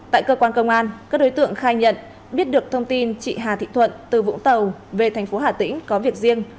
tại cơ quan công an các đối tượng khai nhận biết được thông tin chị hà thị thuận từ vũng tàu về thành phố hà tĩnh có việc riêng